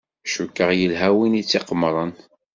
Cukkeɣ yelha win tt-iqemmren.